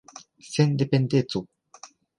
sendependeco